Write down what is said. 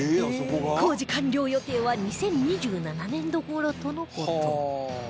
工事完了予定は２０２７年度頃との事